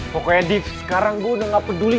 pokoknya deep sekarang gue udah gak peduli